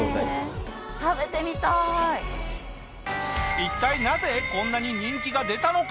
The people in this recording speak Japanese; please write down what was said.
一体なぜこんなに人気が出たのか？